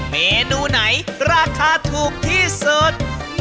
เมนูไหนราคาถูกที่สุด